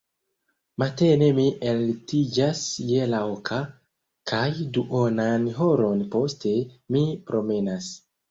Matene mi ellitiĝas je la oka, kaj duonan horon poste mi promenas.